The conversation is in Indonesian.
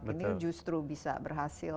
ini justru bisa berhasil